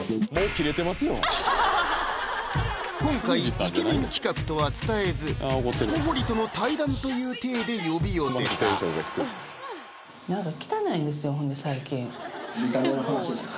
今回イケメン企画とは伝えず小堀との対談という体で呼び寄せた見た目の話ですか？